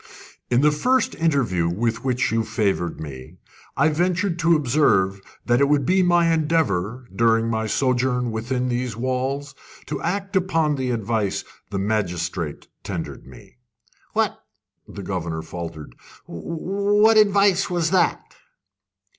"In the first interview with which you favoured me, I ventured to observe that it would be my endeavour, during my sojourn within these walls, to act upon the advice the magistrate tendered me." "What" the governor rather faltered "what advice was that?"